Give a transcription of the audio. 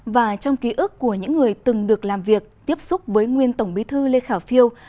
và trong ký ức của những người từng được làm việc tiếp xúc với nguyên tổng bí thư lê khả phiêu